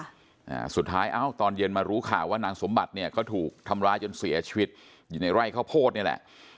อ่าสุดท้ายเอ้าตอนเย็นมารู้ข่าวว่านางสมบัติเนี่ยก็ถูกทำร้ายจนเสียชีวิตอยู่ในไร่ข้าวโพดนี่แหละ